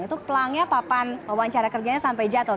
itu pelangnya papan wawancara kerjanya sampai jatuh